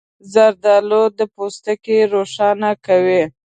زردالو د پوستکي روښانه کوي.